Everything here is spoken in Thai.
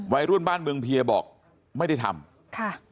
วัยรุ่นบ้านเมืองเพียบอกไม่ได้ทำค่ะ